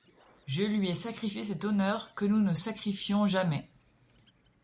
Je lui ai sacrifié cet honneur que nous ne sacrifions jamais...